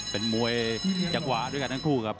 เป็นมวยจังหวะด้วยกันทั้งคู่ครับ